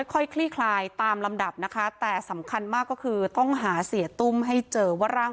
คลี่คลายตามลำดับนะคะแต่สำคัญมากก็คือต้องหาเสียตุ้มให้เจอว่าร่าง